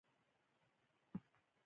نشان په څه شي ګټل کیږي؟